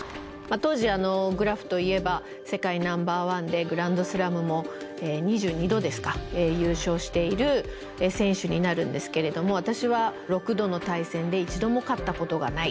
当時グラフといえば世界ナンバーワンでグランドスラムも２２度ですか優勝している選手になるんですけれども私は６度の対戦で一度も勝ったことがない。